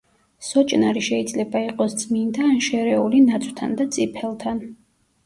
სოჭნარი შეიძლება იყოს წმინდა ან შერეული ნაძვთან და წიფელთან.